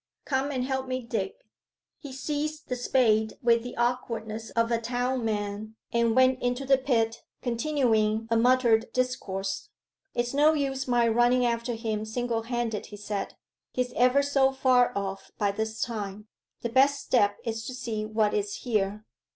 Come and help me dig.' He seized the spade with the awkwardness of a town man, and went into the pit, continuing a muttered discourse. 'It's no use my running after him single handed,' he said. 'He's ever so far off by this time. The best step is to see what is here.